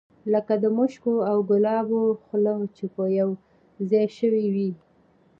لکه د مشکو او ګلابو خوله چې یو ځای شوې وي.